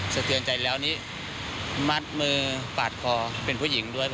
สะเทือนใจแล้วนี่มัดมือปาดคอเป็นผู้หญิงด้วย